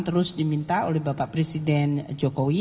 terus diminta oleh bapak presiden jokowi